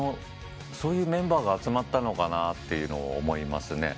そういうメンバーが集まったのかなと思いますね。